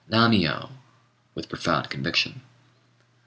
nammiyô!" with profound conviction.